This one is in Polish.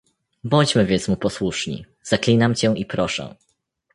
"Bądźmy więc mu posłuszni, zaklinam cię i proszę."